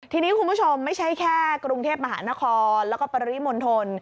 ทีนี้คุณผู้ชมไม่ใช่แค่กรุงเทพมหานครแล้วก็ปริมณฑล